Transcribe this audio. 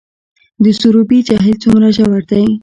د سروبي جهیل څومره ژور دی؟